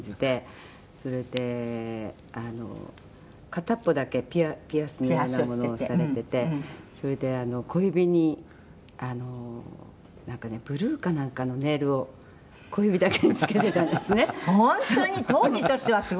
それで、片っぽだけピアスのようなものをされててそれで、小指に、なんかねブルーかなんかのネイルを小指だけにつけてたんですね。